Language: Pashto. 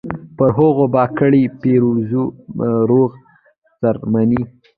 پر هغو به کړي پیرزو روغې څرمنې